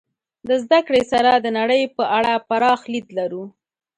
د زدهکړې سره د نړۍ په اړه پراخ لید لرو.